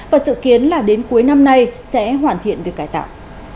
và sự kiến là đến cuối năm nay sẽ hoàn thiện việc cải tạo